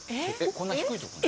こんな低いとこ。